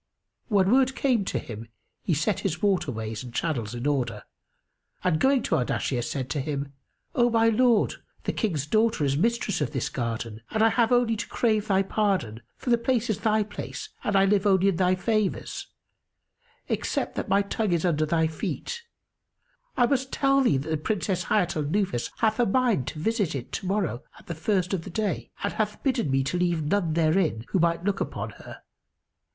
When word came to him, he set his water ways and channels in order and, going to Ardashir, said to him, "O my lord, the King's daughter is mistress of this garden; and I have only to crave thy pardon, for the place is thy place and I live only in thy favours, except that my tongue is under thy feet.[FN#282] I must tell thee that the Princess Hayat al Nufus hath a mind to visit it to morrow at the first of the day and hath bidden me leave none therein who might look upon her.